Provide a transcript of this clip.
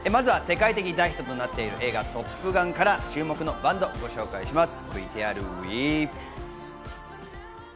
まずは世界的大ヒットとなっている映画『トップガン』から注目のバンドをご紹介します。